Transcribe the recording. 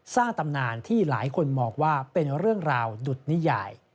ตำนานที่หลายคนมองว่าเป็นเรื่องราวดุดนิยาย